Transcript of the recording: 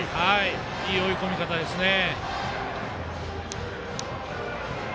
いい追い込み方ですね。